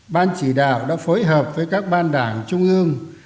ban chỉ đạo đã phối hợp với các ban đảng trung ương